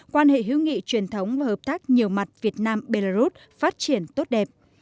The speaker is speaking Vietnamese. quan hệ hữu nghị truyền thống và hợp tác nhiều mặt việt nam belarus phát triển tốt đẹp